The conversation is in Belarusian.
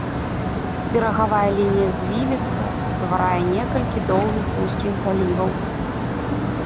Берагавая лінія звілістая, утварае некалькі доўгіх вузкіх заліваў.